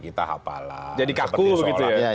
kita hafalan jadi kaku gitu ya